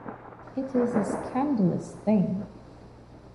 It is a scandalous thing!